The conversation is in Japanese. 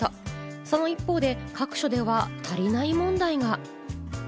その一方で各所では足りない問題が。